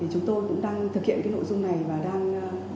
chúng tôi cũng đang thực hiện cái nội dung này và đang đề ra những cái lộ trình